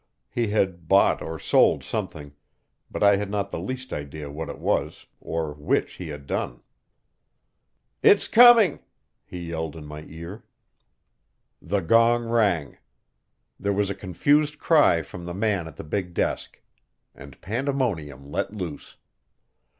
He had bought or sold something, but I had not the least idea what it was, or which he had done. "It's coming!" he yelled in my ear. The gong rang. There was a confused cry from the man at the big desk. And pandemonium let loose.